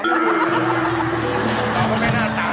น้องตามันแทนหน้าใจ